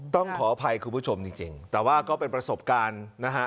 ต้องขออภัยคุณผู้ชมจริงแต่ว่าก็เป็นประสบการณ์นะฮะ